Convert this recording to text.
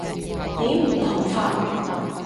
點唔同法？